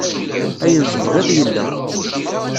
Ayen tebɣiḍ yella.